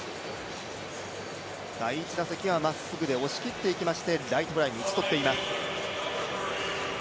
第１打席はまっすぐでいきまして、ライトフライに打ち取っています。